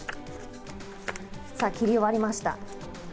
さぁ切り終わりました。